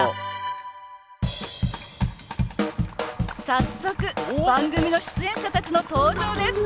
早速番組の出演者たちの登場です！